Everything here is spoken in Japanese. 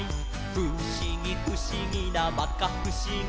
「ふしぎふしぎなまかふしぎ」